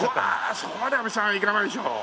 そこまで阿部さんいかないでしょう。